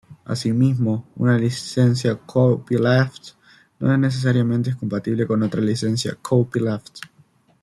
Asimismo, una licencia copyleft no necesariamente es compatible con otra licencia copyleft.